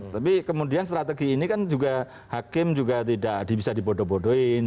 tapi kemudian strategi ini kan juga hakim juga tidak bisa dibodoh bodohin